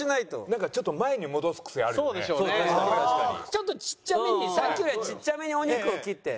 なんかちょっとちょっとちっちゃめにさっきよりはちっちゃめにお肉を切って。